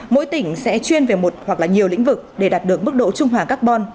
mỗi tỉnh sẽ chuyên về một hoặc là nhiều lĩnh vực để đạt được mức độ trung hòa carbon